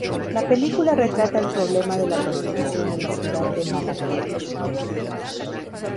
La película retrata el problema de la prostitución en la ciudad de Marrakech.